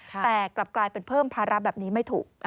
แต่กลับกลายเป็นเพิ่มภาระแบบนี้ไม่ถูก